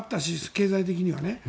経済的にはね。